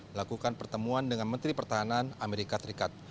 melakukan pertemuan dengan menteri pertahanan amerika serikat